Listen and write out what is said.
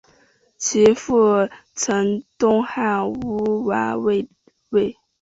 其父曾任东汉乌丸校尉。